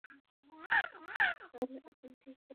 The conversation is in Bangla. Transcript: তাহলে, এখন কি করব, বলা শুরু করব?